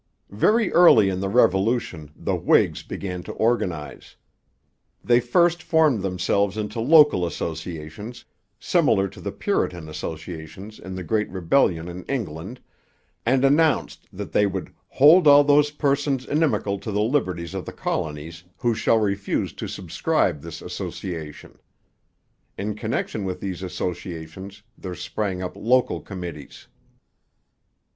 Very early in the Revolution the Whigs began to organize. They first formed themselves into local associations, similar to the Puritan associations in the Great Rebellion in England, and announced that they would 'hold all those persons inimical to the liberties of the colonies who shall refuse to subscribe this association.' In connection with these associations there sprang up local committees.